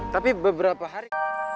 tapi beberapa hari